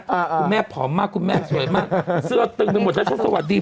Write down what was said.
คุณแม่ผอมมากคุณแม่สวยมากเสื้อตึงไปหมดแล้วฉันสวัสดี